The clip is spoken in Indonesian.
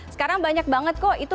sekarang banyak banget kok